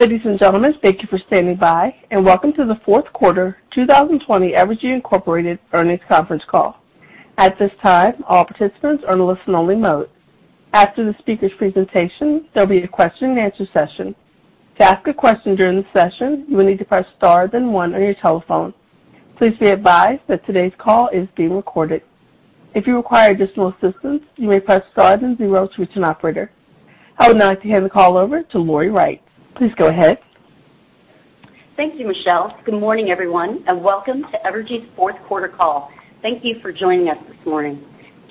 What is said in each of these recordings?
Ladies and gentlemen, thank you for standing by, and welcome to the fourth quarter 2020 Evergy, Incorporated earnings conference call. At this time, all participants are in listen-only mode. After the speakers' presentation, there will be a question-and-answer session. To ask a question during the session, you will need to press star then one on your telephone. Please be advised that today's call is being recorded. If you require additional assistance, you may press star then zero to reach an operator. I would now like to hand the call over to Lori Wright. Please go ahead. Thank you, Michelle. Good morning, everyone, and welcome to Evergy's fourth quarter call. Thank you for joining us this morning.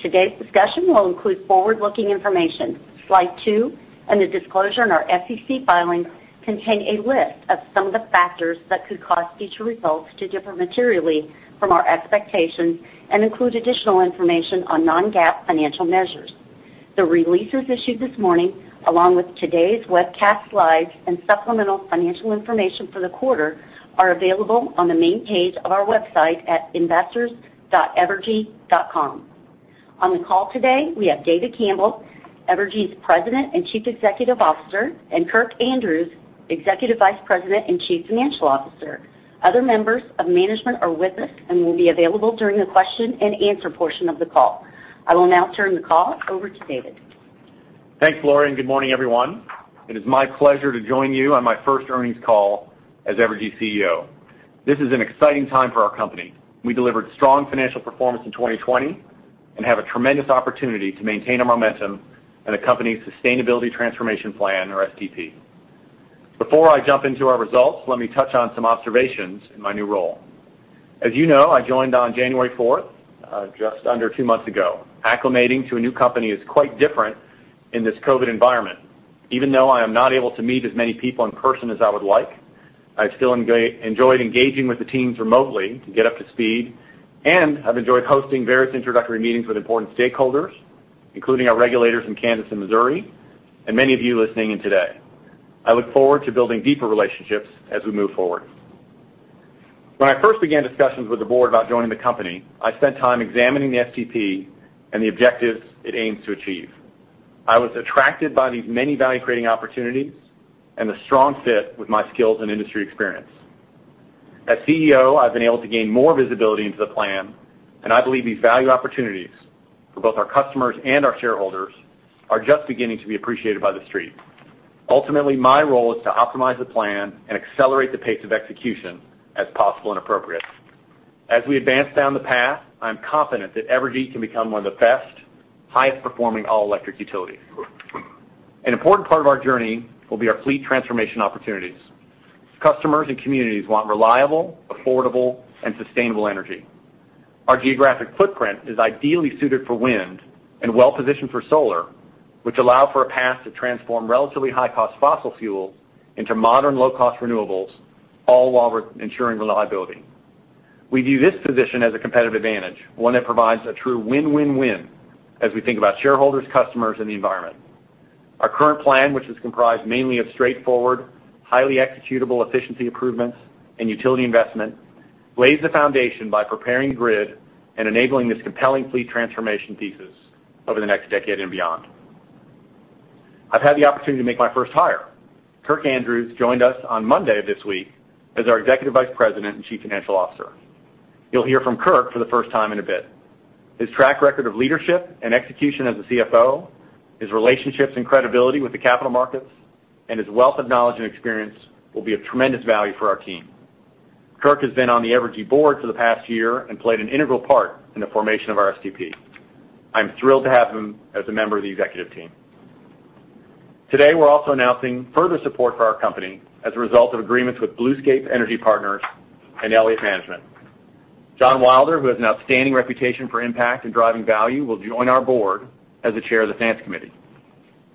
Today's discussion will include forward-looking information. Slide two and the disclosure in our SEC filings contain a list of some of the factors that could cause future results to differ materially from our expectations and include additional information on non-GAAP financial measures. The releases issued this morning, along with today's webcast slides and supplemental financial information for the quarter, are available on the main page of our website at investors.evergy.com. On the call today, we have David Campbell, Evergy's President and Chief Executive Officer, and Kirk Andrews, Executive Vice President and Chief Financial Officer. Other members of management are with us and will be available during the question-and-answer portion of the call. I will now turn the call over to David. Thanks, Lori. Good morning, everyone. It is my pleasure to join you on my first earnings call as Evergy CEO. This is an exciting time for our company. We delivered strong financial performance in 2020 and have a tremendous opportunity to maintain our momentum and accompany Sustainability Transformation Plan or STP. Before I jump into our results, let me touch on some observations in my new role. As you know, I joined on January 4th, just under two months ago. Acclimating to a new company is quite different in this COVID environment. Even though I am not able to meet as many people in person as I would like, I've still enjoyed engaging with the teams remotely to get up to speed, and I've enjoyed hosting various introductory meetings with important stakeholders, including our regulators in Kansas and Missouri, and many of you listening in today. I look forward to building deeper relationships as we move forward. When I first began discussions with the board about joining the company, I spent time examining the STP and the objectives it aims to achieve. I was attracted by these many value-creating opportunities and the strong fit with my skills and industry experience. As CEO, I've been able to gain more visibility into the plan, and I believe these value opportunities for both our customers and our shareholders are just beginning to be appreciated by The Street. Ultimately, my role is to optimize the plan and accelerate the pace of execution as possible and appropriate. As we advance down the path, I'm confident that Evergy can become one of the best, highest-performing all-electric utilities. An important part of our journey will be our fleet transformation opportunities. Customers and communities want reliable, affordable, and sustainable energy. Our geographic footprint is ideally suited for wind and well-positioned for solar, which allow for a path to transform relatively high-cost fossil fuels into modern low-cost renewables, all while we're ensuring reliability. We view this position as a competitive advantage, one that provides a true win-win-win as we think about shareholders, customers, and the environment. Our current plan, which is comprised mainly of straightforward, highly executable efficiency improvements and utility investment, lays the foundation by preparing grid and enabling this compelling fleet transformation thesis over the next decade and beyond. I've had the opportunity to make my first hire. Kirk Andrews joined us on Monday of this week as our Executive Vice President and Chief Financial Officer. You'll hear from Kirk for the first time in a bit. His track record of leadership and execution as a CFO, his relationships and credibility with the capital markets, and his wealth of knowledge and experience will be of tremendous value for our team. Kirk has been on the Evergy Board for the past year and played an integral part in the formation of our STP. I'm thrilled to have him as a member of the executive team. Today, we're also announcing further support for our company as a result of agreements with Bluescape Energy Partners and Elliott Management. John Wilder, who has an outstanding reputation for impact and driving value, will join our Board as the Chair of the Finance Committee.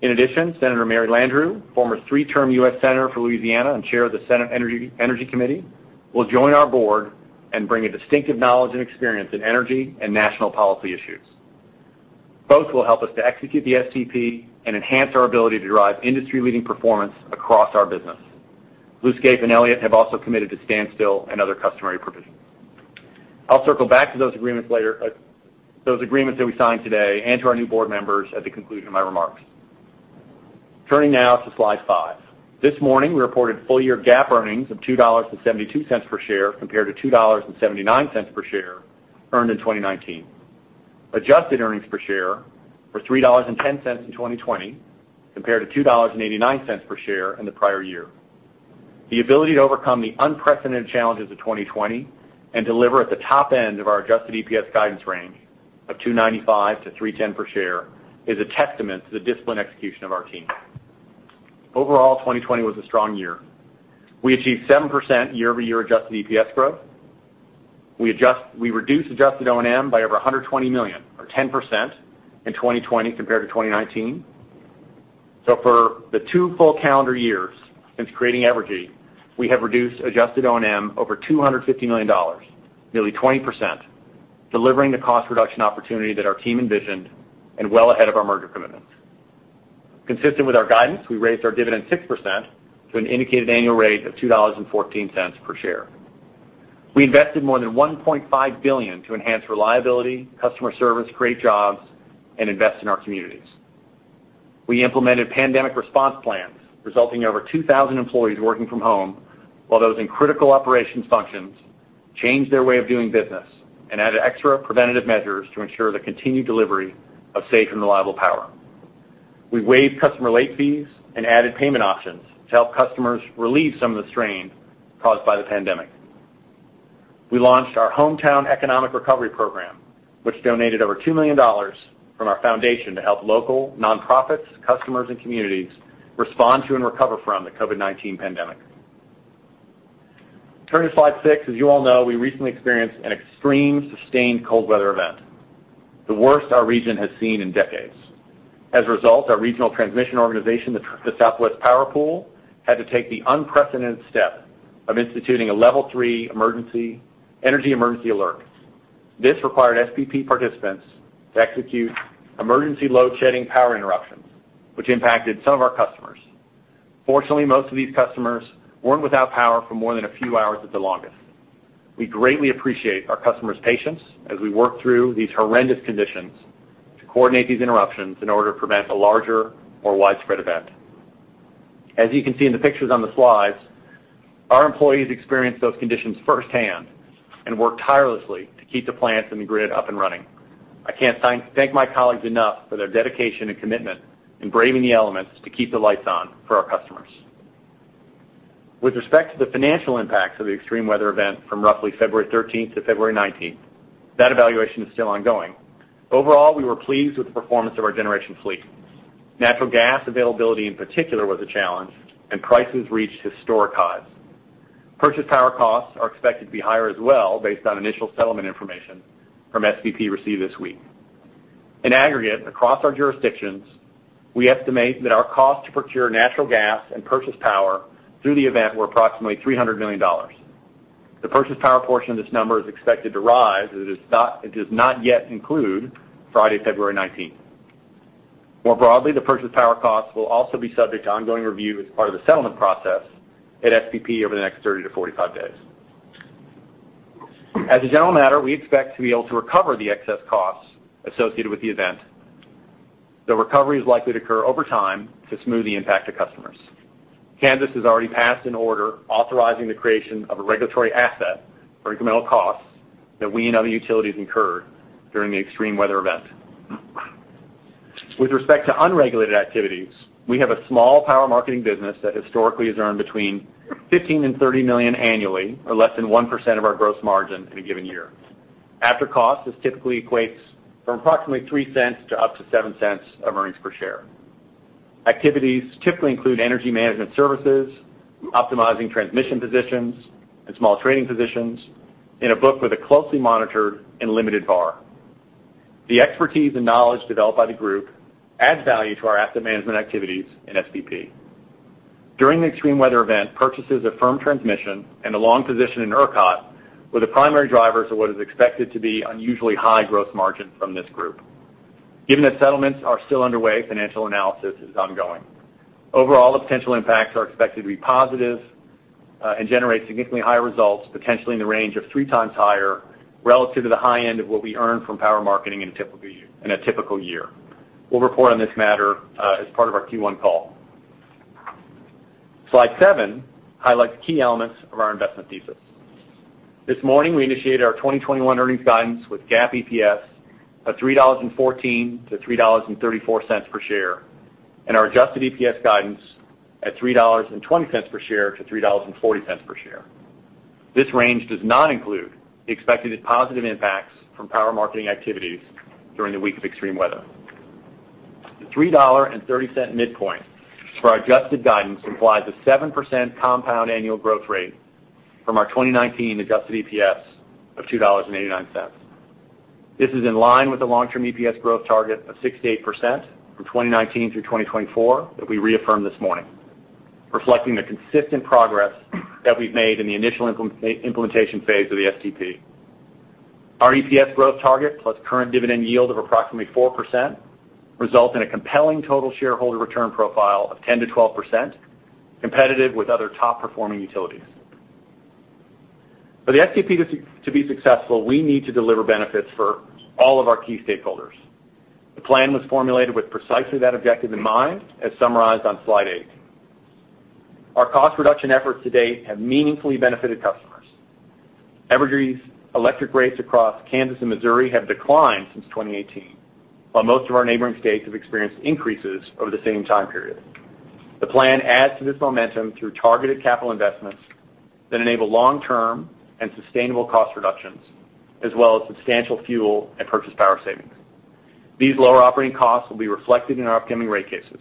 In addition, Senator Mary Landrieu, former three-term U.S. senator for Louisiana and Chair of the Senate Energy Committee, will join our Board and bring a distinctive knowledge and experience in energy and national policy issues. Both will help us to execute the STP and enhance our ability to drive industry-leading performance across our business. Bluescape and Elliott have also committed to standstill and other customary provisions. I'll circle back to those agreements that we signed today and to our new board members at the conclusion of my remarks. Turning now to slide five. This morning, we reported full-year GAAP earnings of $2.72 per share compared to $2.79 per share earned in 2019. Adjusted earnings per share were $3.10 in 2020, compared to $2.89 per share in the prior year. The ability to overcome the unprecedented challenges of 2020 and deliver at the top end of our adjusted EPS guidance range of $2.95-$3.10 per share is a testament to the disciplined execution of our team. Overall, 2020 was a strong year. We achieved 7% year-over-year adjusted EPS growth. We reduced adjusted O&M by over $120 million or 10% in 2020 compared to 2019. For the two full calendar years since creating Evergy, we have reduced adjusted O&M over $250 million, nearly 20%, delivering the cost reduction opportunity that our team envisioned and well ahead of our merger commitments. Consistent with our guidance, we raised our dividend 6% to an indicated annual rate of $2.14 per share. We invested more than $1.5 billion to enhance reliability, customer service, create jobs, and invest in our communities. We implemented pandemic response plans, resulting in over 2,000 employees working from home, while those in critical operations functions changed their way of doing business and added extra preventative measures to ensure the continued delivery of safe and reliable power. We waived customer late fees and added payment options to help customers relieve some of the strain caused by the pandemic. We launched our Hometown Economic Recovery Program, which donated over $2 million from our foundation to help local nonprofits, customers, and communities respond to and recover from the COVID-19 pandemic. Turn to slide six. As you all know, we recently experienced an extreme sustained cold weather event, the worst our region has seen in decades. As a result, our regional transmission organization, the Southwest Power Pool, had to take the unprecedented step of instituting a level three energy emergency alert. This required SPP participants to execute emergency load shedding power interruptions, which impacted some of our customers. Fortunately, most of these customers weren't without power for more than a few hours at the longest. We greatly appreciate our customers' patience as we work through these horrendous conditions to coordinate these interruptions in order to prevent a larger, more widespread event. As you can see in the pictures on the slides, our employees experienced those conditions firsthand and worked tirelessly to keep the plants and the grid up and running. I can't thank my colleagues enough for their dedication and commitment in braving the elements to keep the lights on for our customers. With respect to the financial impacts of the extreme weather event from roughly February 13th to February 19th, that evaluation is still ongoing. Overall, we were pleased with the performance of our generation fleet. Natural gas availability, in particular, was a challenge, and prices reached historic highs. Purchased power costs are expected to be higher as well, based on initial settlement information from SPP received this week. In aggregate, across our jurisdictions, we estimate that our cost to procure natural gas and purchase power through the event were approximately $300 million. The purchased power portion of this number is expected to rise, as it does not yet include Friday, February 19th. More broadly, the purchased power cost will also be subject to ongoing review as part of the settlement process at SPP over the next 30 days-45 days. As a general matter, we expect to be able to recover the excess costs associated with the event. The recovery is likely to occur over time to smooth the impact to customers. Kansas has already passed an order authorizing the creation of a regulatory asset for incremental costs that we and other utilities incurred during the extreme weather event. With respect to unregulated activities, we have a small power marketing business that historically has earned between $15 million and $30 million annually, or less than 1% of our gross margin in a given year. After cost, this typically equates from approximately $0.03 to up to $0.07 of earnings per share. Activities typically include energy management services, optimizing transmission positions, and small trading positions in a book with a closely monitored and limited VaR. The expertise and knowledge developed by the group adds value to our asset management activities in SPP. During the extreme weather event, purchases of firm transmission and a long position in ERCOT were the primary drivers of what is expected to be unusually high growth margin from this group. Given that settlements are still underway, financial analysis is ongoing. Overall, the potential impacts are expected to be positive and generate significantly higher results, potentially in the range of three times higher relative to the high end of what we earn from power marketing in a typical year. We'll report on this matter as part of our Q1 call. Slide seven highlights the key elements of our investment thesis. This morning, we initiated our 2021 earnings guidance with GAAP EPS of $3.14-$3.34 per share and our adjusted EPS guidance at $3.20 per share-$3.40 per share. This range does not include the expected positive impacts from power marketing activities during the week of extreme weather. The $3.30 midpoint for our adjusted guidance implies a 7% compound annual growth rate from our 2019 adjusted EPS of $2.89. This is in line with the long-term EPS growth target of 6%-8% from 2019 through 2024 that we reaffirmed this morning, reflecting the consistent progress that we've made in the initial implementation phase of the STP. Our EPS growth target plus current dividend yield of approximately 4% result in a compelling total shareholder return profile of 10%-12%, competitive with other top-performing utilities. For the STP to be successful, we need to deliver benefits for all of our key stakeholders. The plan was formulated with precisely that objective in mind, as summarized on slide eight. Our cost reduction efforts to date have meaningfully benefited customers. Evergy's electric rates across Kansas and Missouri have declined since 2018, while most of our neighboring states have experienced increases over the same time period. The plan adds to this momentum through targeted capital investments that enable long-term and sustainable cost reductions, as well as substantial fuel and purchase power savings. These lower operating costs will be reflected in our upcoming rate cases.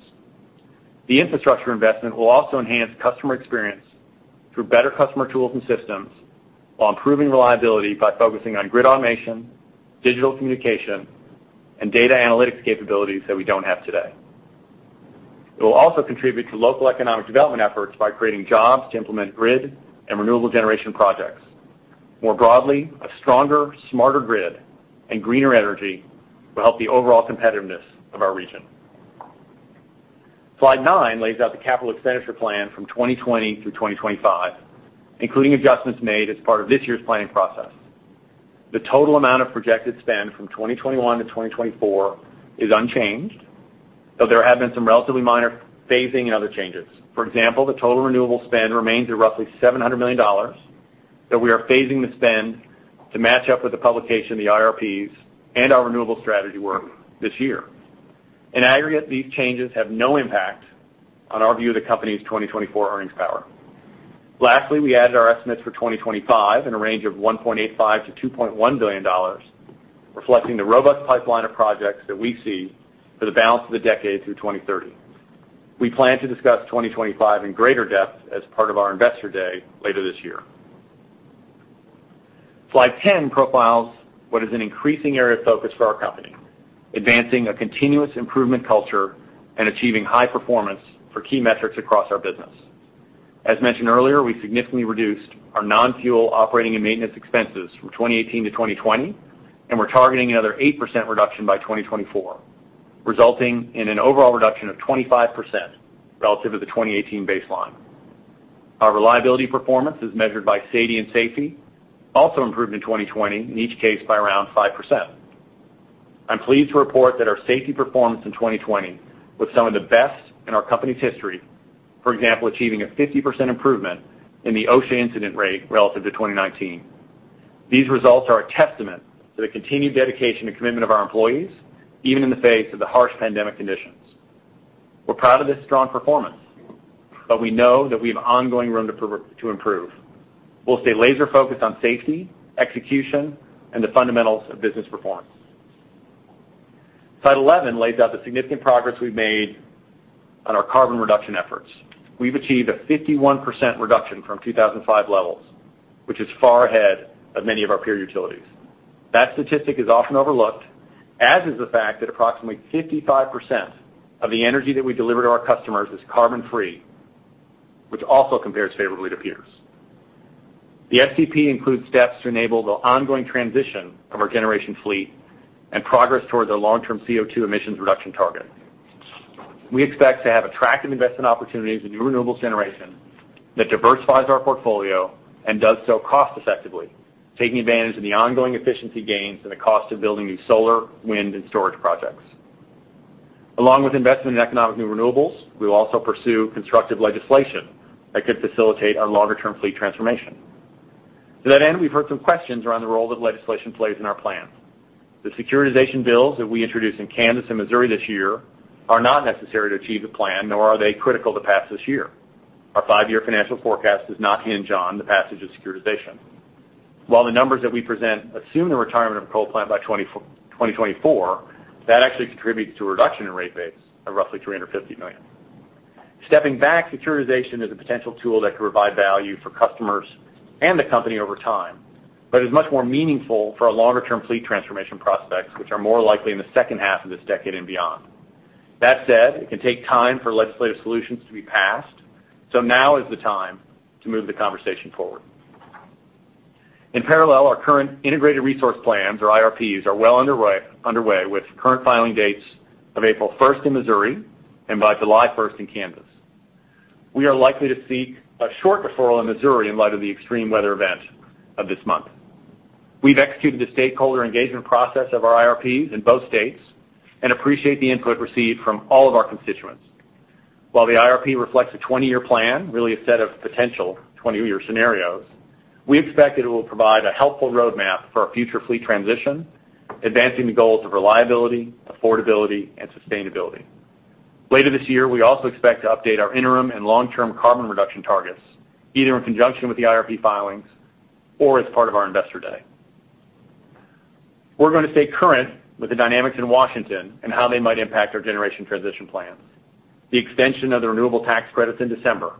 The infrastructure investment will also enhance customer experience through better customer tools and systems while improving reliability by focusing on grid automation, digital communication, and data analytics capabilities that we don't have today. It will also contribute to local economic development efforts by creating jobs to implement grid and renewable generation projects. More broadly, a stronger, smarter grid and greener energy will help the overall competitiveness of our region. Slide nine lays out the capital expenditure plan from 2020 through 2025, including adjustments made as part of this year's planning process. The total amount of projected spend from 2021 to 2024 is unchanged, though there have been some relatively minor phasing and other changes. For example, the total renewable spend remains at roughly $700 million, though we are phasing the spend to match up with the publication of the IRPs and our renewable strategy work this year. In aggregate, these changes have no impact on our view of the company's 2024 earnings power. Lastly, we added our estimates for 2025 in a range of $1.85 billion-$2.1 billion, reflecting the robust pipeline of projects that we see for the balance of the decade through 2030. We plan to discuss 2025 in greater depth as part of our Investor Day later this year. Slide 10 profiles what is an increasing area of focus for our company, advancing a continuous improvement culture and achieving high performance for key metrics across our business. As mentioned earlier, we significantly reduced our non-fuel operating and maintenance expenses from 2018 to 2020, and we're targeting another 8% reduction by 2024, resulting in an overall reduction of 25% relative to the 2018 baseline. Our reliability performance, as measured by SAIDI and safety, also improved in 2020, in each case by around 5%. I'm pleased to report that our safety performance in 2020 was some of the best in our company's history. For example, achieving a 50% improvement in the OSHA incident rate relative to 2019. These results are a testament to the continued dedication and commitment of our employees, even in the face of the harsh pandemic conditions. We're proud of this strong performance, but we know that we have ongoing room to improve. We'll stay laser-focused on safety, execution, and the fundamentals of business performance. Slide 11 lays out the significant progress we've made on our carbon reduction efforts. We've achieved a 51% reduction from 2005 levels, which is far ahead of many of our peer utilities. That statistic is often overlooked, as is the fact that approximately 55% of the energy that we deliver to our customers is carbon-free, which also compares favorably to peers. The STP includes steps to enable the ongoing transition of our generation fleet and progress towards our long-term CO2 emissions reduction target. We expect to have attractive investment opportunities in new renewable generation that diversifies our portfolio and does so cost-effectively, taking advantage of the ongoing efficiency gains and the cost of building new solar, wind, and storage projects. Along with investment in economic new renewables, we will also pursue constructive legislation that could facilitate our longer-term fleet transformation. To that end, we've heard some questions around the role that legislation plays in our plan. The securitization bills that we introduced in Kansas and Missouri this year are not necessary to achieve the plan, nor are they critical to pass this year. Our five-year financial forecast does not hinge on the passage of securitization. While the numbers that we present assume the retirement of a coal plant by 2024, that actually contributes to a reduction in rate base of roughly $350 million. Stepping back, securitization is a potential tool that could provide value for customers and the company over time, but is much more meaningful for our longer-term fleet transformation prospects, which are more likely in the second half of this decade and beyond. That said, it can take time for legislative solutions to be passed, so now is the time to move the conversation forward. In parallel, our current Integrated Resource Plans, or IRPs, are well underway, with current filing dates of April 1st in Missouri and by July 1st in Kansas. We are likely to seek a short deferral in Missouri in light of the extreme weather event of this month. We've executed the stakeholder engagement process of our IRPs in both states and appreciate the input received from all of our constituents. While the IRP reflects a 20-year plan, really a set of potential 20-year scenarios, we expect it will provide a helpful roadmap for our future fleet transition, advancing the goals of reliability, affordability, and sustainability. Later this year, we also expect to update our interim and long-term carbon reduction targets, either in conjunction with the IRP filings or as part of our Investor Day. We're going to stay current with the dynamics in Washington and how they might impact our generation transition plans. The extension of the renewable tax credits in December,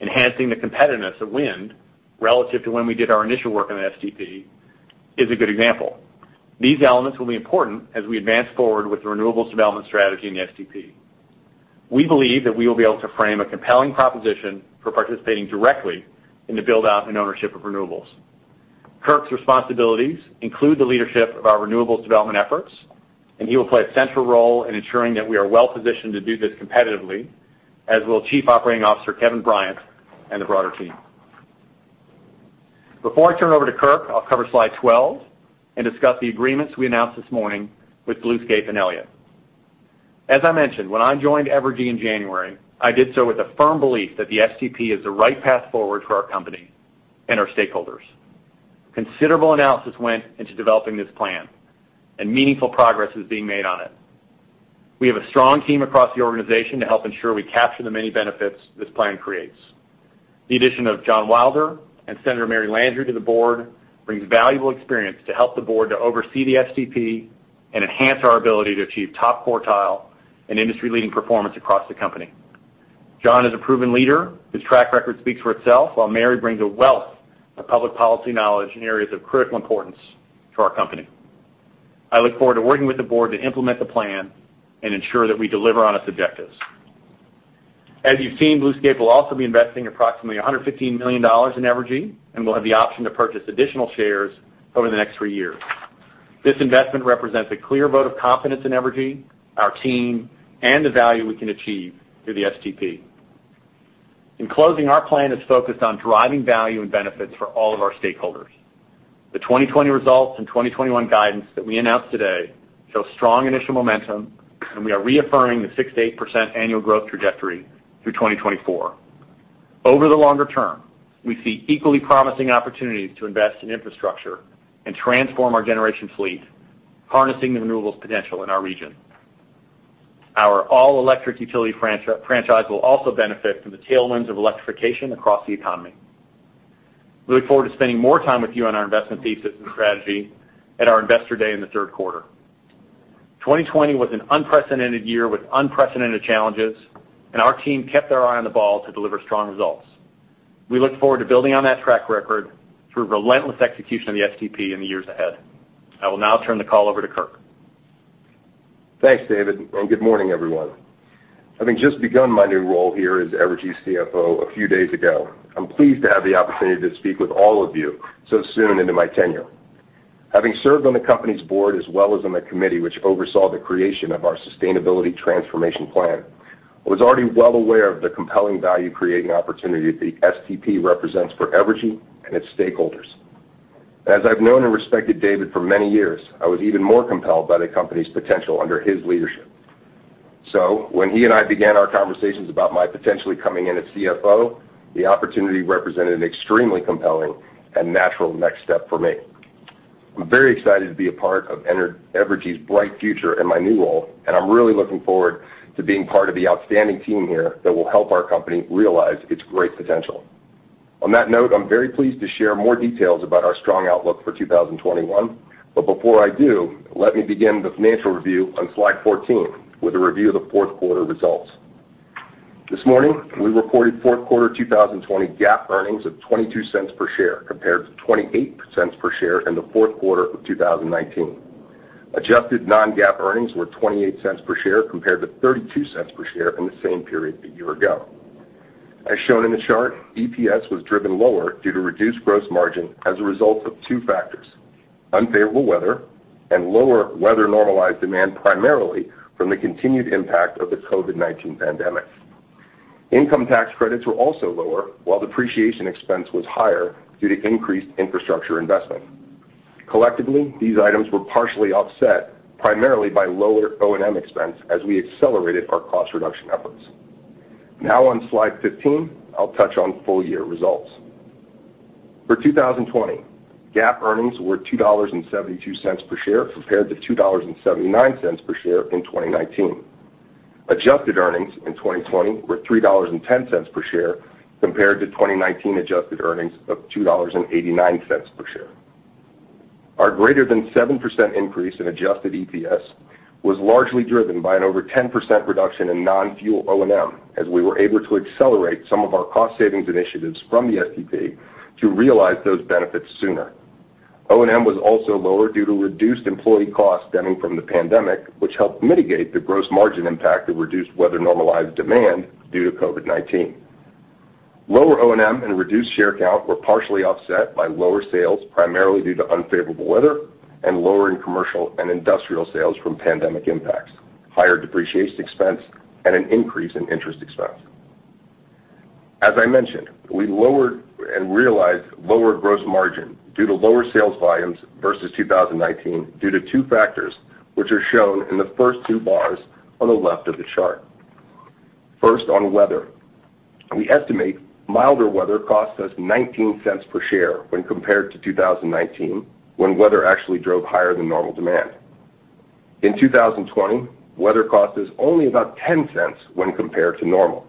enhancing the competitiveness of wind relative to when we did our initial work on the STP, is a good example. These elements will be important as we advance forward with the renewables development strategy in the STP. We believe that we will be able to frame a compelling proposition for participating directly in the build-out and ownership of renewables. Kirk's responsibilities include the leadership of our renewables development efforts, and he will play a central role in ensuring that we are well-positioned to do this competitively, as will Chief Operating Officer Kevin Bryant and the broader team. Before I turn over to Kirk, I'll cover slide 12 and discuss the agreements we announced this morning with Bluescape and Elliott. As I mentioned, when I joined Evergy in January, I did so with a firm belief that the STP is the right path forward for our company and our stakeholders. Considerable analysis went into developing this plan, and meaningful progress is being made on it. We have a strong team across the organization to help ensure we capture the many benefits this plan creates. The addition of John Wilder and Senator Mary Landrieu to the board brings valuable experience to help the board to oversee the STP and enhance our ability to achieve top quartile and industry-leading performance across the company. John is a proven leader. His track record speaks for itself, while Mary brings a wealth of public policy knowledge in areas of critical importance to our company. I look forward to working with the board to implement the plan and ensure that we deliver on its objectives. As you've seen, Bluescape will also be investing approximately $115 million in Evergy and will have the option to purchase additional shares over the next three years. This investment represents a clear vote of confidence in Evergy, our team, and the value we can achieve through the STP. In closing, our plan is focused on driving value and benefits for all of our stakeholders. The 2020 results and 2021 guidance that we announced today show strong initial momentum. We are reaffirming the 6%-8% annual growth trajectory through 2024. Over the longer term, we see equally promising opportunities to invest in infrastructure and transform our generation fleet, harnessing the renewables potential in our region. Our all-electric utility franchise will also benefit from the tailwinds of electrification across the economy. We look forward to spending more time with you on our Investment Day in the third quarter. 2020 was an unprecedented year with unprecedented challenges, and our team kept their eye on the ball to deliver strong results. We look forward to building on that track record through relentless execution of the STP in the years ahead. I will now turn the call over to Kirk. Thanks, David. Good morning, everyone. Having just begun my new role here as Evergy's CFO a few days ago, I'm pleased to have the opportunity to speak with all of you so soon into my tenure. Having served on the company's board as well as on the committee which oversaw the creation of our Sustainability Transformation Plan, I was already well aware of the compelling value-creating opportunity the STP represents for Evergy and its stakeholders. As I've known and respected David for many years, I was even more compelled by the company's potential under his leadership. When he and I began our conversations about my potentially coming in as CFO, the opportunity represented an extremely compelling and natural next step for me. I'm very excited to be a part of Evergy's bright future in my new role, and I'm really looking forward to being part of the outstanding team here that will help our company realize its great potential. On that note, I'm very pleased to share more details about our strong outlook for 2021. Before I do, let me begin the financial review on slide 14 with a review of the fourth quarter results. This morning, we reported fourth quarter 2020 GAAP earnings of $0.22 per share compared to $0.28 per share in the fourth quarter of 2019. Adjusted non-GAAP earnings were $0.28 per share compared to $0.32 per share in the same period a year ago. As shown in the chart, EPS was driven lower due to reduced gross margin as a result of two factors: unfavorable weather and lower weather-normalized demand, primarily from the continued impact of the COVID-19 pandemic. Income tax credits were also lower, while depreciation expense was higher due to increased infrastructure investment. Collectively, these items were partially offset primarily by lower O&M expense as we accelerated our cost reduction efforts. Now on slide 15, I'll touch on full-year results. For 2020, GAAP earnings were $2.72 per share compared to $2.79 per share in 2019. Adjusted earnings in 2020 were $3.10 per share compared to 2019 adjusted earnings of $2.89 per share. Our greater than 7% increase in adjusted EPS was largely driven by an over 10% reduction in non-fuel O&M as we were able to accelerate some of our cost savings initiatives from the STP to realize those benefits sooner. O&M was also lower due to reduced employee costs stemming from the pandemic, which helped mitigate the gross margin impact of reduced weather-normalized demand due to COVID-19. Lower O&M and reduced share count were partially offset by lower sales, primarily due to unfavorable weather and lower in commercial and industrial sales from pandemic impacts, higher depreciation expense, and an increase in interest expense. As I mentioned, we lowered and realized lower gross margin due to lower sales volumes versus 2019 due to two factors, which are shown in the first two bars on the left of the chart. First, on weather. We estimate milder weather cost us $0.19 per share when compared to 2019, when weather actually drove higher than normal demand. In 2020, weather cost is only about $0.10 when compared to normal.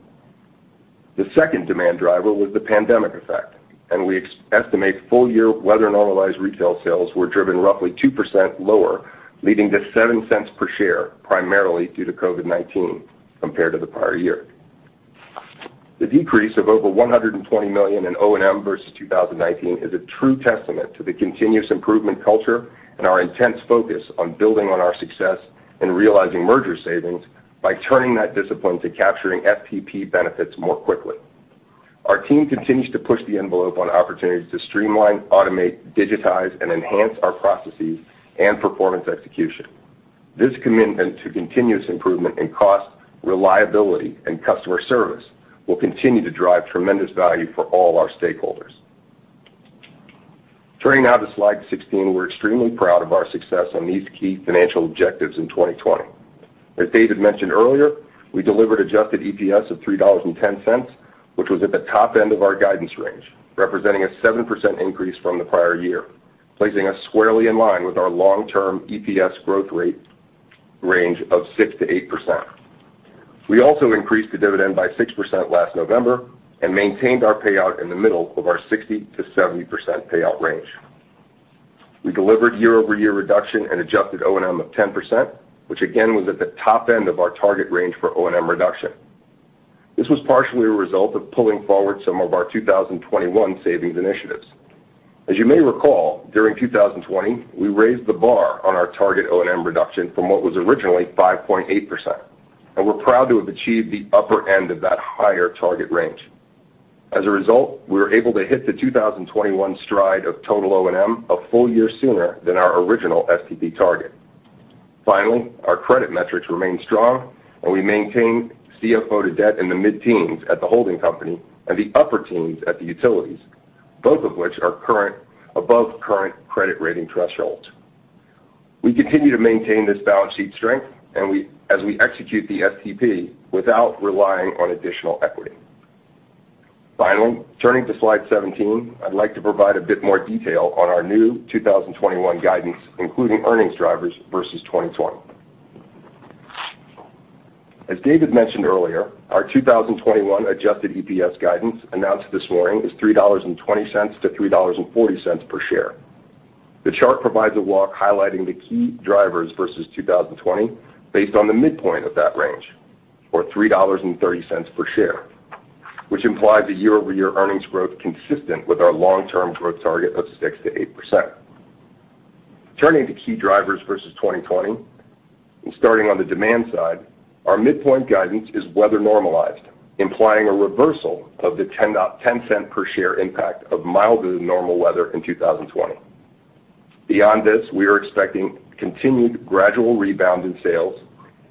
The second demand driver was the pandemic effect, and we estimate full-year weather-normalized retail sales were driven roughly 2% lower, leading to $0.07 per share, primarily due to COVID-19 compared to the prior year. The decrease of over $120 million in O&M versus 2019 is a true testament to the continuous improvement culture and our intense focus on building on our success and realizing merger savings by turning that discipline to capturing STP benefits more quickly. Our team continues to push the envelope on opportunities to streamline, automate, digitize, and enhance our processes and performance execution. This commitment to continuous improvement in cost, reliability, and customer service will continue to drive tremendous value for all our stakeholders. Turning now to slide 16, we're extremely proud of our success on these key financial objectives in 2020. As David mentioned earlier, we delivered adjusted EPS of $3.10, which was at the top end of our guidance range, representing a 7% increase from the prior year, placing us squarely in line with our long-term EPS growth rate range of 6%-8%. We also increased the dividend by 6% last November and maintained our payout in the middle of our 60%-70% payout range. We delivered year-over-year reduction and adjusted O&M of 10%, which again was at the top end of our target range for O&M reduction. This was partially a result of pulling forward some of our 2021 savings initiatives. As you may recall, during 2020, we raised the bar on our target O&M reduction from what was originally 5.8%, and we're proud to have achieved the upper end of that higher target range. As a result, we were able to hit the 2021 stride of total O&M a full year sooner than our original STP target. Our credit metrics remain strong, and we maintain CFO to debt in the mid-teens at the holding company and the upper teens at the utilities, both of which are above current credit rating thresholds. We continue to maintain this balance sheet strength as we execute the STP without relying on additional equity. Turning to slide 17, I'd like to provide a bit more detail on our new 2021 guidance, including earnings drivers versus 2020. As David mentioned earlier, our 2021 adjusted EPS guidance announced this morning is $3.20-$3.40 per share. The chart provides a walk highlighting the key drivers versus 2020 based on the midpoint of that range, or $3.30 per share, which implies a year-over-year earnings growth consistent with our long-term growth target of 6%-8%. Turning to key drivers versus 2020 and starting on the demand side, our midpoint guidance is weather normalized, implying a reversal of the $0.10 per share impact of milder than normal weather in 2020. Beyond this, we are expecting continued gradual rebound in sales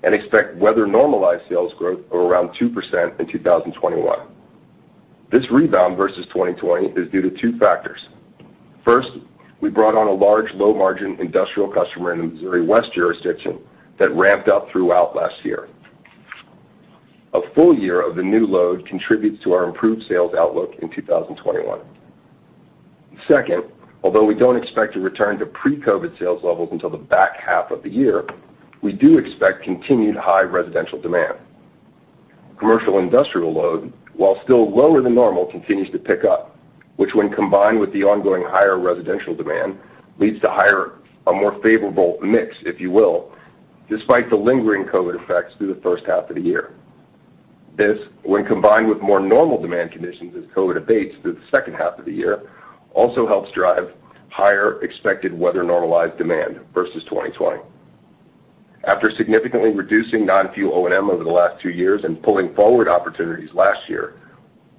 and expect weather normalized sales growth of around 2% in 2021. This rebound versus 2020 is due to two factors. First, we brought on a large low-margin industrial customer in the Missouri West jurisdiction that ramped up throughout last year. A full year of the new load contributes to our improved sales outlook in 2021. Second, although we don't expect to return to pre-COVID sales levels until the back half of the year, we do expect continued high residential demand. Commercial industrial load, while still lower than normal, continues to pick up, which when combined with the ongoing higher residential demand, leads to a more favorable mix, if you will, despite the lingering COVID effects through the first half of the year. This, when combined with more normal demand conditions as COVID abates through the second half of the year, also helps drive higher expected weather normalized demand versus 2020. After significantly reducing non-fuel O&M over the last two years and pulling forward opportunities last year,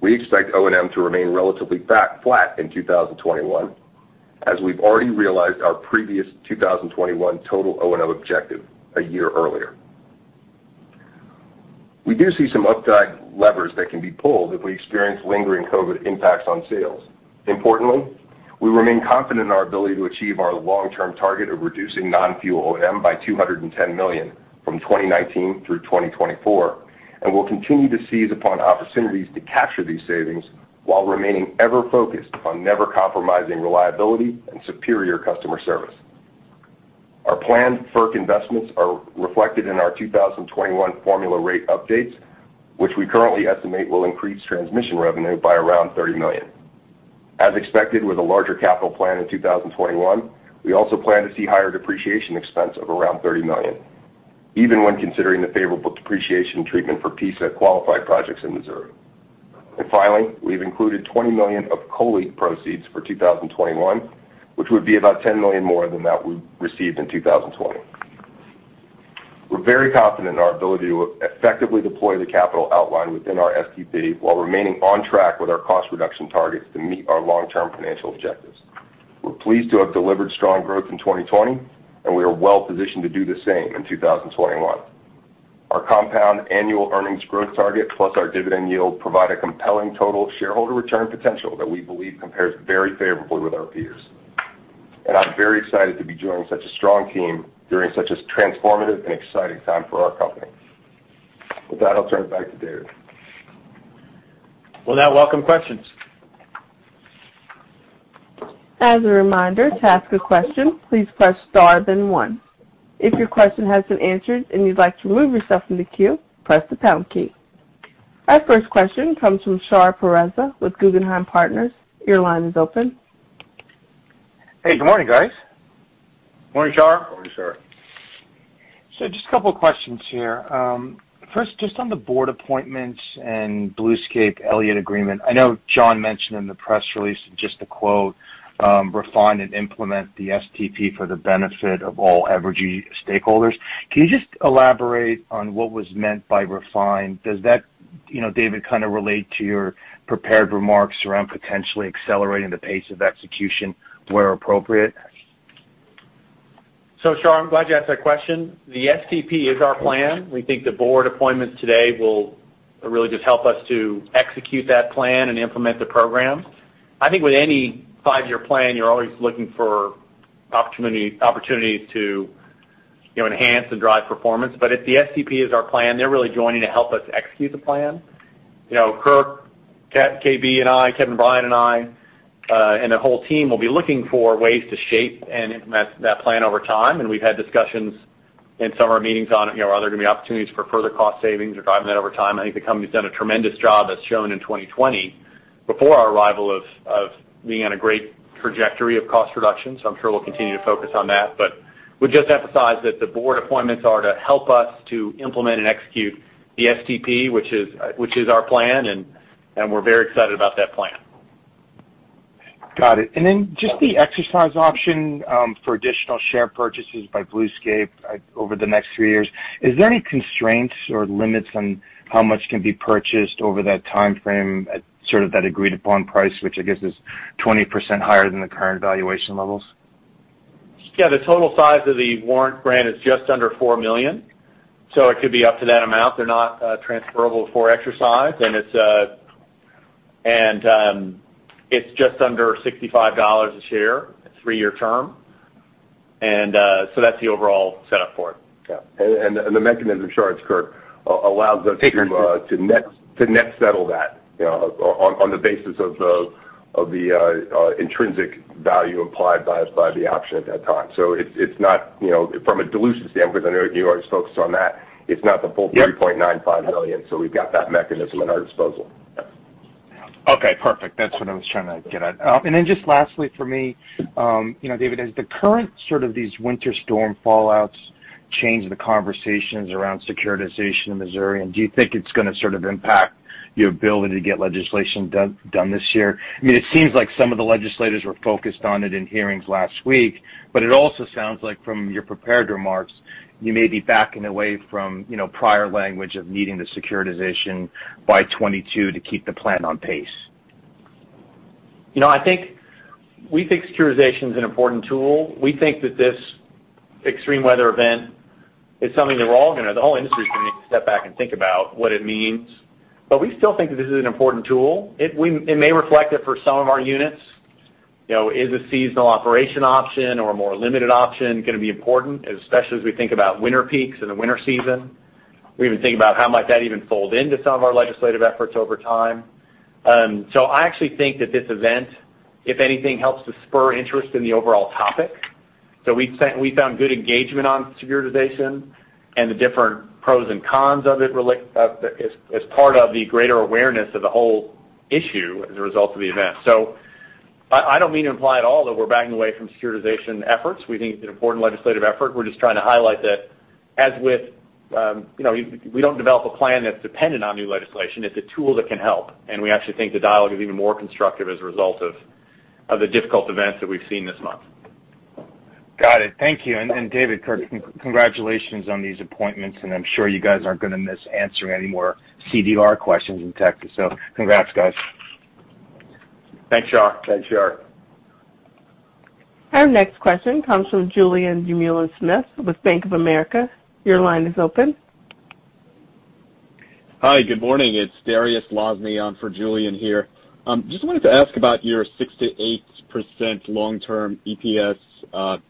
we expect O&M to remain relatively flat in 2021 as we've already realized our previous 2021 total O&M objective a year earlier. We do see some upside levers that can be pulled if we experience lingering COVID-19 impacts on sales. Importantly, we remain confident in our ability to achieve our long-term target of reducing non-fuel O&M by $210 million from 2019 through 2024, and we'll continue to seize upon opportunities to capture these savings while remaining ever focused on never compromising reliability and superior customer service. Our planned FERC investments are reflected in our 2021 formula rate updates, which we currently estimate will increase transmission revenue by around $30 million. As expected, with a larger capital plan in 2021, we also plan to see higher depreciation expense of around $30 million, even when considering the favorable depreciation treatment for PISA-qualified projects in Missouri. Finally, we've included $20 million of COLI proceeds for 2021, which would be about $10 million more than that we received in 2020. We're very confident in our ability to effectively deploy the capital outlined within our STP while remaining on track with our cost reduction targets to meet our long-term financial objectives. We're pleased to have delivered strong growth in 2020, and we are well-positioned to do the same in 2021. Our compound annual earnings growth target plus our dividend yield provide a compelling total shareholder return potential that we believe compares very favorably with our peers. I'm very excited to be joining such a strong team during such a transformative and exciting time for our company. With that, I'll turn it back to David. We'll now welcome questions. As a reminder, to ask a question, please press star then one. If your question has been answered and you'd like to remove yourself from the queue, press the pound key. Our first question comes from Shar Pourreza with Guggenheim Partners. Your line is open. Hey, good morning, guys. Morning, Shar. Morning, Shar. Just a couple of questions here. First, just on the board appointments and Bluescape-Elliott agreement. I know John mentioned in the press release just the quote, "Refine and implement the STP for the benefit of all Evergy stakeholders." Can you just elaborate on what was meant by refine? Does that, David, kind of relate to your prepared remarks around potentially accelerating the pace of execution where appropriate? Shar, I'm glad you asked that question. The STP is our plan. We think the board appointments today will really just help us to execute that plan and implement the program. I think with any five-year plan, you're always looking for opportunities to enhance and drive performance. If the STP is our plan, they're really joining to help us execute the plan. Kirk, KB and I, Kevin Bryant and I, and the whole team will be looking for ways to shape and implement that plan over time, and we've had discussions in some of our meetings on are there going to be opportunities for further cost savings or driving that over time? I think the company's done a tremendous job as shown in 2020 before our arrival of being on a great trajectory of cost reduction. I'm sure we'll continue to focus on that. Would just emphasize that the board appointments are to help us to implement and execute the STP, which is our plan, and we're very excited about that plan. Got it. Just the exercise option for additional share purchases by Bluescape over the next three years, is there any constraints or limits on how much can be purchased over that timeframe at sort of that agreed-upon price, which I guess is 20% higher than the current valuation levels? Yeah. The total size of the warrant grant is just under $4 million, so it could be up to that amount. They're not transferable for exercise. It's just under $65 a share, a three-year term. That's the overall setup for it. Yeah. The mechanism, sure, it's Kirk, allows us. Take your time. to net settle that on the basis of the intrinsic value implied by the option at that time. It's not from a dilution standpoint, because I know you always focus on that, it's not the full- Yep $3.95 million. We've got that mechanism at our disposal. Okay. Perfect. That's what I was trying to get at. Then just lastly for me, David, has the current sort of these winter storm fallouts changed the conversations around securitization in Missouri? Do you think it's going to sort of impact your ability to get legislation done this year? I mean, it seems like some of the legislators were focused on it in hearings last week, but it also sounds like from your prepared remarks, you may be backing away from prior language of needing the securitization by 2022 to keep the plan on pace. We think securitization is an important tool. We think that this extreme weather event is something that the whole industry is going to need to step back and think about what it means. We still think that this is an important tool. It may reflect that for some of our units. Is a seasonal operation option or a more limited option going to be important, especially as we think about winter peaks in the winter season? We even think about how might that even fold into some of our legislative efforts over time. I actually think that this event, if anything, helps to spur interest in the overall topic. We found good engagement on securitization and the different pros and cons of it as part of the greater awareness of the whole issue as a result of the event. I don't mean to imply at all that we're backing away from securitization efforts. We think it's an important legislative effort. We're just trying to highlight that we don't develop a plan that's dependent on new legislation. It's a tool that can help, and we actually think the dialogue is even more constructive as a result of the difficult events that we've seen this month. Got it. Thank you. David, Kirk, congratulations on these appointments, and I'm sure you guys aren't going to miss answering any more CDR questions in Texas, so congrats, guys. Thanks, Shar. Thanks, Shar. Our next question comes from Julien Dumoulin-Smith with Bank of America. Your line is open. Hi, good morning. It's Dariusz Lozny on for Julien here. Just wanted to ask about your 6%-8% long-term EPS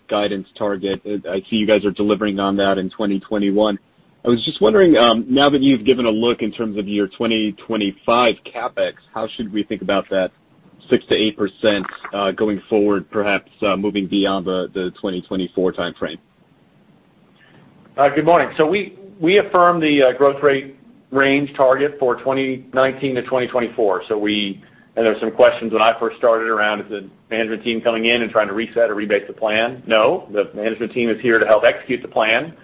guidance target. I see you guys are delivering on that in 2021. I was just wondering, now that you've given a look in terms of your 2025 CapEx, how should we think about that 6%-8%, going forward, perhaps moving beyond the 2024 timeframe? Good morning. We affirmed the growth rate range target for 2019 to 2024. There were some questions when I first started around, is the management team coming in and trying to reset or rebase the plan? No, the management team is here to help execute the plan,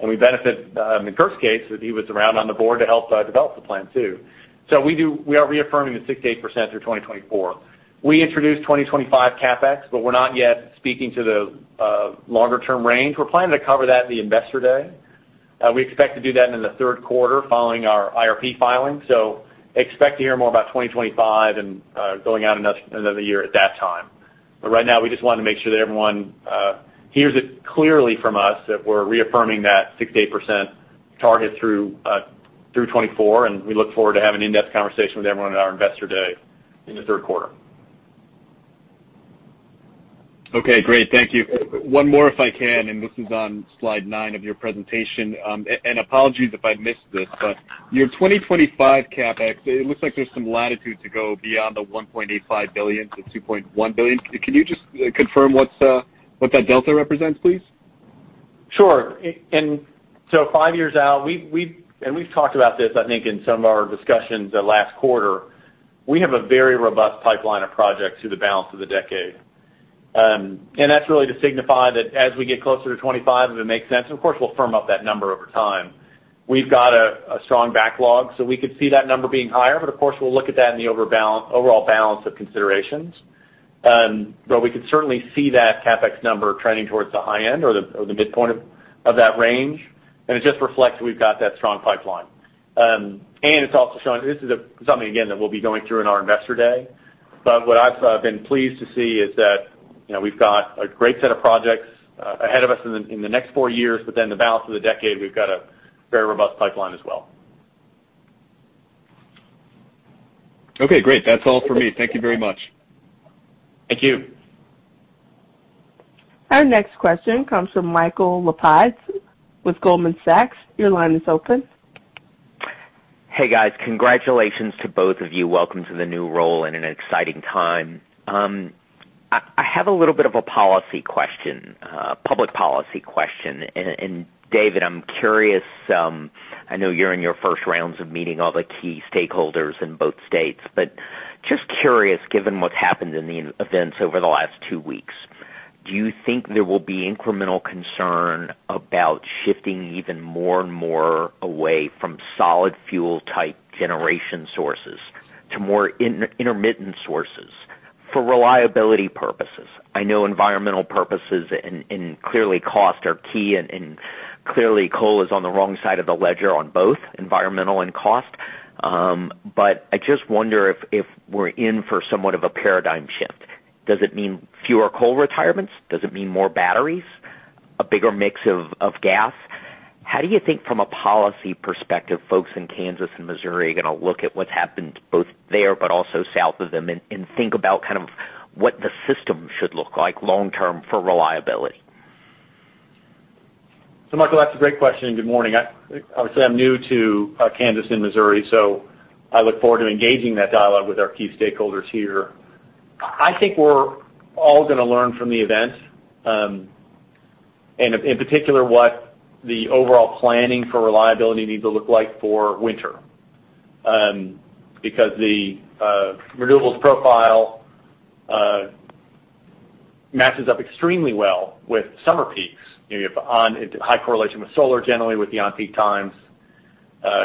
and we benefit. In Kirk's case, that he was around on the board to help develop the plan, too. We are reaffirming the 6%-8% through 2024. We introduced 2025 CapEx, but we're not yet speaking to the longer-term range. We're planning to cover that at the Investor Day. We expect to do that in the third quarter following our IRP filing. Expect to hear more about 2025 and going out another year at that time. Right now, we just wanted to make sure that everyone hears it clearly from us that we're reaffirming that 6%-8% target through 2024. We look forward to having an in-depth conversation with everyone at our Investor Day in the third quarter. Okay, great. Thank you. One more if I can. This is on slide nine of your presentation. Apologies if I missed this, your 2025 CapEx, it looks like there's some latitude to go beyond the $1.85 billion-$2.1 billion. Can you just confirm what that delta represents, please? Sure. Five years out, and we've talked about this, I think, in some of our discussions last quarter. We have a very robust pipeline of projects through the balance of the decade. That's really to signify that as we get closer to 2025, if it makes sense, of course, we'll firm up that number over time. We've got a strong backlog, so we could see that number being higher. Of course, we'll look at that in the overall balance of considerations. We could certainly see that CapEx number trending towards the high end or the midpoint of that range. It just reflects that we've got that strong pipeline. It's also showing this is something, again, that we'll be going through in our Investor Day. What I've been pleased to see is that we've got a great set of projects ahead of us in the next four years. The balance of the decade, we've got a very robust pipeline as well. Okay, great. That's all for me. Thank you very much. Thank you. Our next question comes from Michael Lapides with Goldman Sachs. Your line is open. Hey, guys. Congratulations to both of you. Welcome to the new role and an exciting time. I have a little bit of a policy question, public policy question. David, I'm curious, I know you're in your first rounds of meeting all the key stakeholders in both states, but just curious, given what's happened in the events over the last two weeks. Do you think there will be incremental concern about shifting even more and more away from solid fuel-type generation sources to more intermittent sources for reliability purposes? I know environmental purposes and clearly cost are key, and clearly coal is on the wrong side of the ledger on both environmental and cost. I just wonder if we're in for somewhat of a paradigm shift. Does it mean fewer coal retirements? Does it mean more batteries, a bigger mix of gas? How do you think from a policy perspective, folks in Kansas and Missouri are going to look at what's happened both there but also south of them, and think about kind of what the system should look like long-term for reliability? Michael, that's a great question and good morning. Obviously, I'm new to Kansas and Missouri, I look forward to engaging that dialogue with our key stakeholders here. I think we're all going to learn from the event, in particular, what the overall planning for reliability needs to look like for winter. The renewables profile matches up extremely well with summer peaks, on high correlation with solar, generally with the on-peak times,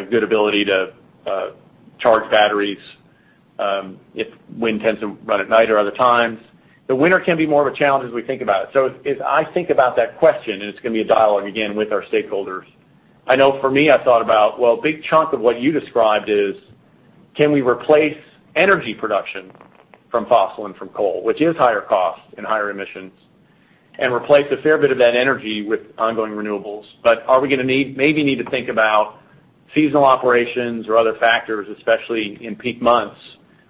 good ability to charge batteries if wind tends to run at night or other times. The winter can be more of a challenge as we think about it. As I think about that question, and it's going to be a dialogue again with our stakeholders. I know for me, I thought about, well, a big chunk of what you described is, can we replace energy production from fossil and from coal, which is higher cost and higher emissions, and replace a fair bit of that energy with ongoing renewables? Are we going to maybe need to think about seasonal operations or other factors, especially in peak months,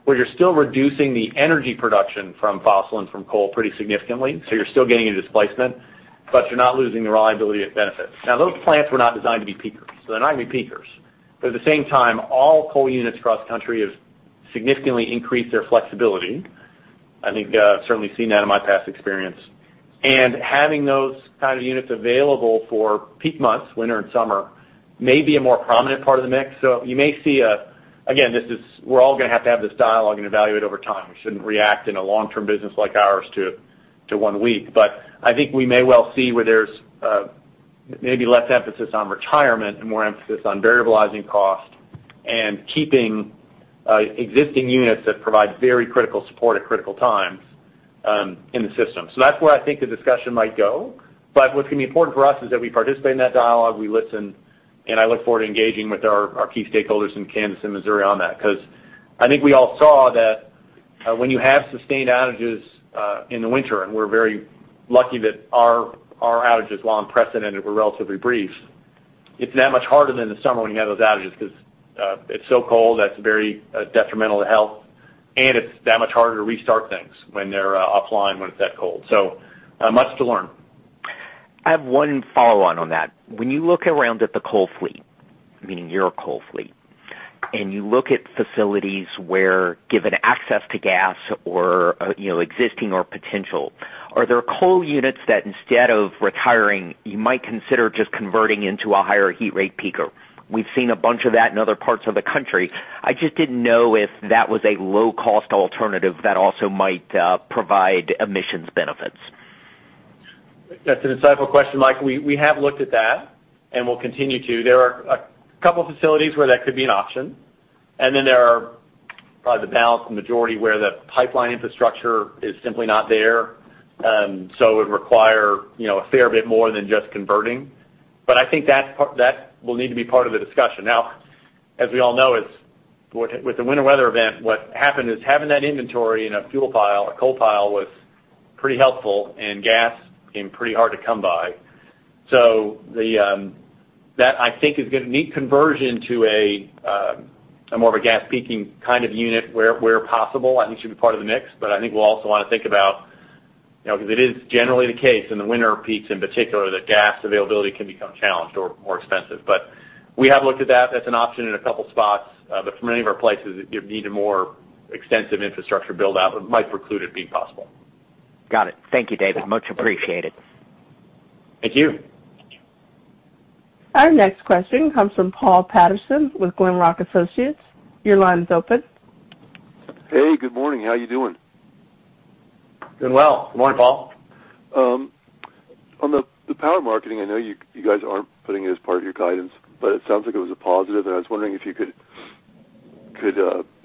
where you're still reducing the energy production from fossil and from coal pretty significantly. You're still getting a displacement, but you're not losing the reliability of benefits. Those plants were not designed to be peakers, so they're not going to be peakers. At the same time, all coal units cross-country have significantly increased their flexibility. I think I've certainly seen that in my past experience. Having those kind of units available for peak months, winter and summer, may be a more prominent part of the mix. We're all going to have to have this dialogue and evaluate over time. We shouldn't react in a long-term business like ours to one week. I think we may well see where there's maybe less emphasis on retirement and more emphasis on variabilizing cost and keeping existing units that provide very critical support at critical times in the system. That's where I think the discussion might go. What's going to be important for us is that we participate in that dialogue, we listen, and I look forward to engaging with our key stakeholders in Kansas and Missouri on that. I think we all saw that when you have sustained outages in the winter, and we're very lucky that our outages, while unprecedented, were relatively brief. It's that much harder than the summer when you have those outages because it's so cold, that's very detrimental to health, and it's that much harder to restart things when they're offline when it's that cold. Much to learn. I have one follow-on on that. When you look around at the coal fleet, meaning your coal fleet, and you look at facilities where given access to gas or existing or potential, are there coal units that instead of retiring, you might consider just converting into a higher heat rate peaker? We've seen a bunch of that in other parts of the country. I just didn't know if that was a low-cost alternative that also might provide emissions benefits. That's an insightful question, Mike. We have looked at that and we'll continue to. There are a couple of facilities where that could be an option, and then there are probably the balance, the majority, where the pipeline infrastructure is simply not there. It would require a fair bit more than just converting. I think that will need to be part of the discussion. Now, as we all know, with the winter weather event, what happened is having that inventory in a fuel pile, a coal pile, was pretty helpful, and gas became pretty hard to come by. That I think is going to need conversion to a more of a gas peaking kind of unit where possible, I think should be part of the mix. I think we'll also want to think about, because it is generally the case in the winter peaks in particular, that gas availability can become challenged or more expensive. We have looked at that as an option in a couple spots. For many of our places, you need a more extensive infrastructure build-out, might preclude it being possible. Got it. Thank you, David. Much appreciated. Thank you. Our next question comes from Paul Patterson with Glenrock Associates. Your line is open. Hey, good morning. How are you doing? Doing well. Good morning, Paul. On the power marketing, I know you guys aren't putting it as part of your guidance, but it sounds like it was a positive, and I was wondering if you could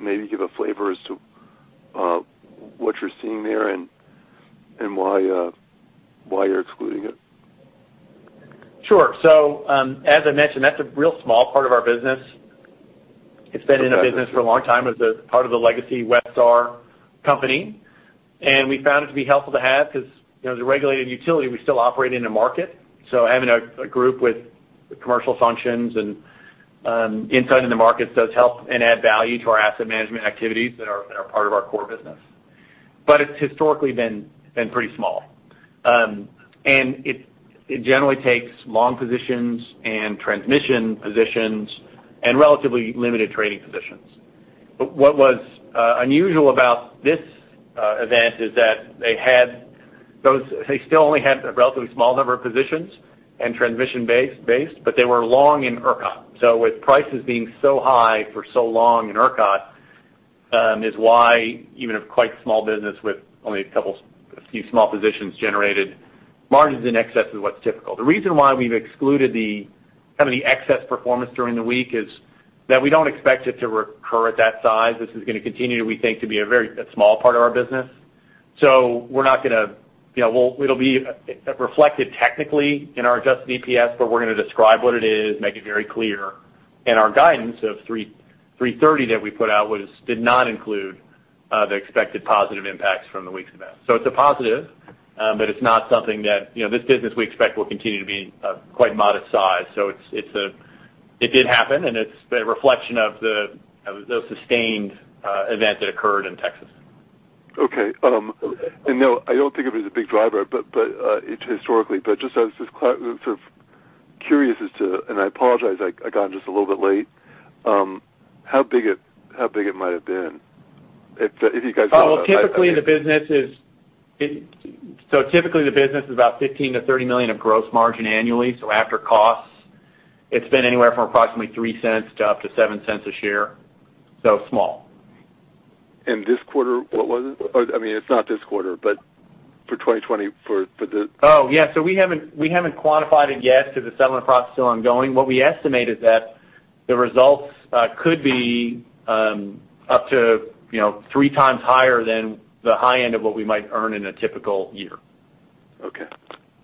maybe give a flavor as to what you're seeing there and why you're excluding it? Sure. As I mentioned, that's a real small part of our business. It's been in our business for a long time as a part of the legacy Westar company. We found it to be helpful to have because as a regulated utility, we still operate in a market. Having a group with commercial functions and insight into markets does help and add value to our asset management activities that are part of our core business. It's historically been pretty small. It generally takes long positions and transmission positions and relatively limited trading positions. What was unusual about this event is that they still only had a relatively small number of positions and transmission base, but they were long in ERCOT. With prices being so high for so long in ERCOT is why even a quite small business with only a few small positions generated margins in excess of what's typical. The reason why we've excluded the excess performance during the week is that we don't expect it to recur at that size. This is going to continue, we think, to be a very small part of our business. It'll be reflected technically in our adjusted EPS, but we're going to describe what it is, make it very clear. Our guidance of $3.30 that we put out did not include the expected positive impacts from the week's event. It's a positive, but it's not something this business, we expect, will continue to be a quite modest size. It did happen, and it's a reflection of the sustained event that occurred in Texas. Okay. I don't think of it as a big driver, historically, but just I was sort of curious as to, I apologize, I got on just a little bit late, how big it might have been, if you guys. Well, typically the business is about $15 million-$30 million of gross margin annually. After costs, it's been anywhere from approximately $0.03 to up to $0.07 a share. Small. This quarter, what was it? I mean, it's not this quarter, but for 2020. Oh, yeah. We haven't quantified it yet because the settlement process is still ongoing. What we estimate is that the results could be up to three times higher than the high end of what we might earn in a typical year. Okay.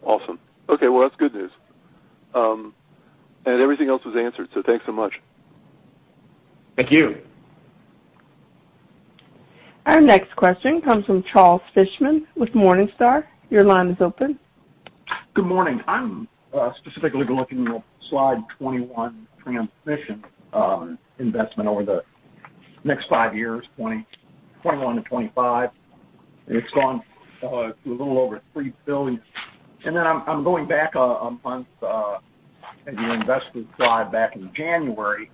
Awesome. Okay. Well, that's good news. Everything else was answered, so thanks so much. Thank you. Our next question comes from Charles Fishman with Morningstar. Your line is open. Good morning. I'm specifically looking at slide 21, transmission investment over the next five years, 2021 to 2025. It's gone a little over $3 billion. Then I'm going back on the investment slide back in January,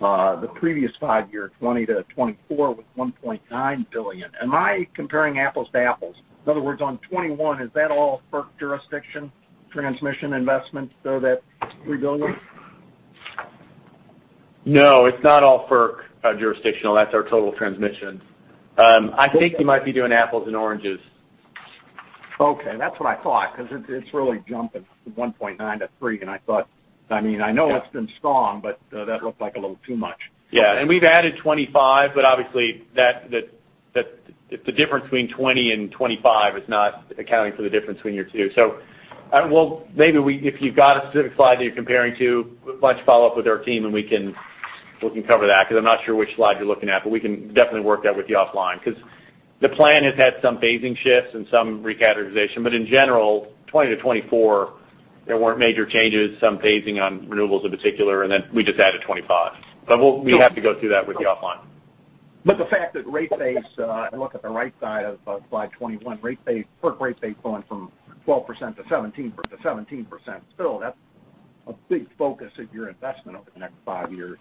the previous five year, 2020 to 2024, with $1.9 billion. Am I comparing apples to apples? In other words, on 2021, is that all FERC jurisdiction transmission investment, though, that $3 billion? No, it's not all FERC jurisdictional. That's our total transmission. I think you might be doing apples and oranges. Okay. That's what I thought because it's really jumping from $1.9 billion to $3 billion. I mean, I know it's been strong, but that looked like a little too much. Yeah. We've added 2025, but obviously, the difference between 2020 and 2025 is not accounting for the difference between your two. Maybe if you've got a specific slide that you're comparing to, why don't you follow up with our team and we can cover that because I'm not sure which slide you're looking at. We can definitely work that with you offline because the plan has had some phasing shifts and some recategorization. In general, 2020 to 2024, there weren't major changes, some phasing on renewables in particular, and then we just added 2025. We have to go through that with you offline. The fact that rate base, if you look at the right side of slide 21, FERC rate base going from 12% to 17%, still that's a big focus of your investment over the next five years.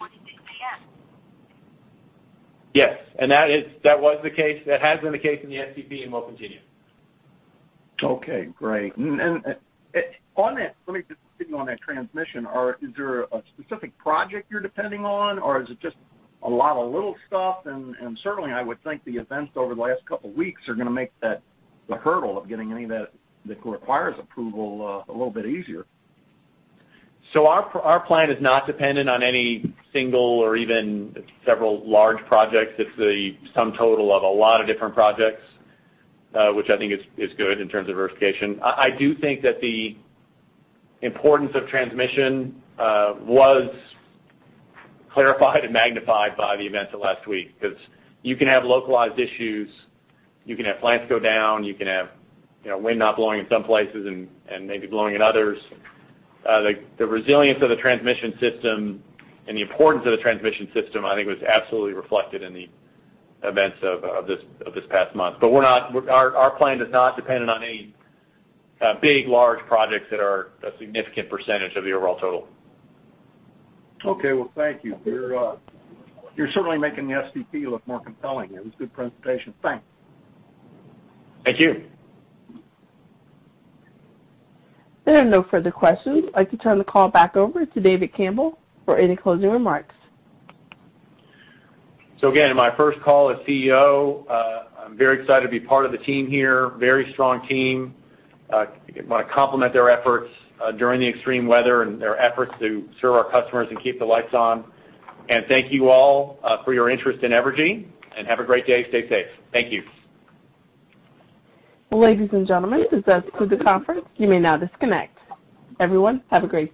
Yes. That was the case, that has been the case in the STP and will continue. Okay, great. On that, let me just continue on that transmission. Is there a specific project you're depending on, or is it just a lot of little stuff? Certainly, I would think the events over the last couple of weeks are going to make the hurdle of getting any of that that requires approval a little bit easier. Our plan is not dependent on any single or even several large projects. It's the sum total of a lot of different projects, which I think is good in terms of diversification. I do think that the importance of transmission was clarified and magnified by the events of last week because you can have localized issues, you can have plants go down, you can have wind not blowing in some places and maybe blowing in others. The resilience of the transmission system and the importance of the transmission system, I think, was absolutely reflected in the events of this past month. Our plan is not dependent on any big, large projects that are a significant percentage of the overall total. Okay. Well, thank you. You're certainly making the STP look more compelling here. It was a good presentation. Thanks. Thank you. There are no further questions. I’d like to turn the call back over to David Campbell for any closing remarks. Again, my first call as CEO. I'm very excited to be part of the team here. Very strong team. I want to compliment their efforts during the extreme weather and their efforts to serve our customers and keep the lights on. Thank you all for your interest in Evergy, and have a great day. Stay safe. Thank you. Ladies and gentlemen, this does conclude the conference. You may now disconnect. Everyone, have a great day.